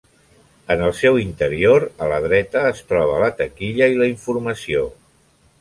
En el seu interior a la dreta es troba la taquilla i la informació.